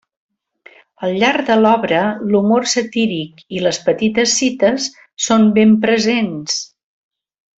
Al llarg de l'obra l'humor satíric i les petites cites són ben presents.